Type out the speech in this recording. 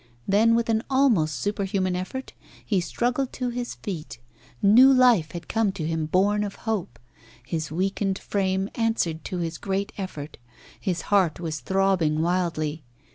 Then, with an almost superhuman effort, he struggled to his feet. New life had come to him born of hope. His weakened frame answered to his great effort. His heart was throbbing wildly.